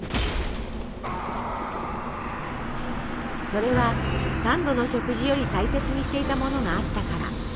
それは３度の食事より大切にしていたものがあったから。